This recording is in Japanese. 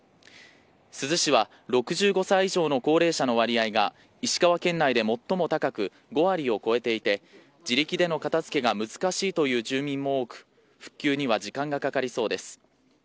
珠洲市は６５歳以上の高齢者の割合が石川県内で最も高く５割を超えていて自力での片づけが難しいという住民も多く復旧には時間がかかりそうです。